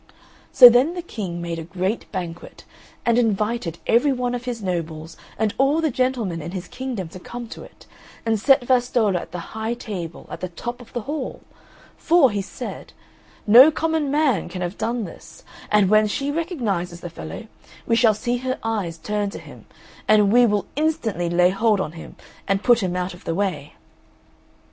So then the King made a great banquet, and invited every one of his nobles and all the gentlemen in his kingdom to come to it, and set Vastolla at the high table at the top of the hall, for, he said, "No common man can have done this, and when she recognises the fellow we shall see her eyes turn to him, and we will instantly lay hold on him and put him out of the way."